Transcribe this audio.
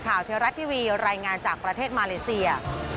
เทวรัฐทีวีรายงานจากประเทศมาเลเซีย